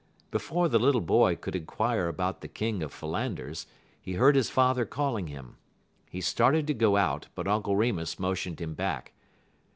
Before the little boy could inquire about the King of Philanders he heard his father calling him. He started to go out, but Uncle Remus motioned him back.